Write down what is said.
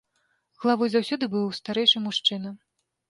Главой заўсёды быў старэйшы мужчына.